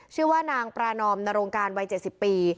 ชื่อว่านางปรานอมนรงการวัย๗๐ปี